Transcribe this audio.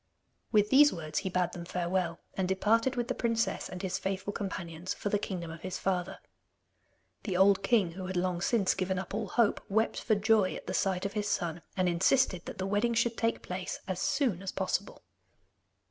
With these words he bade them farewell, and departed with the princess and his faithful companions for the kingdom of his father. The old king, who had long since given up all hope, wept for joy at the sight of his son, and insisted that the wedding should take place as soon as possible.